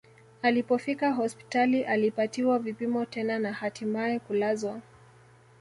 Alipofika hospitali alipatiwa vipimo tena na hatimae kulazwa